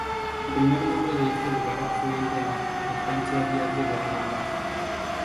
El primer nombre de este lugar fue el de la Estancia Díaz de Berlanga.